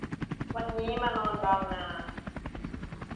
วันนี้มานอนบางนา